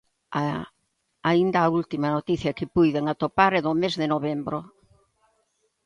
Aínda a última noticia que puiden atopar é do mes de novembro.